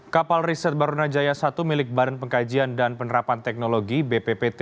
kapal riset barunajaya satu milik badan pengkajian dan penerapan teknologi bppt